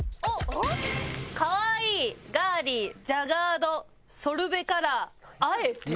「カワイイ」「ガーリー」「ジャガード」「ソルベカラー」「あえて」？